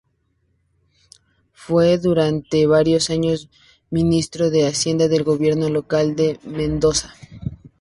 Fue durante varios años ministro de hacienda del gobierno local de Mendoza.